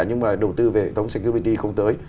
nhưng mà đầu tư về hệ thống secubrity không tới